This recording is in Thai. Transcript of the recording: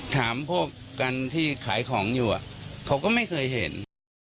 ถามพวกกันที่ขายของอยู่เขาก็ไม่เคยเห็น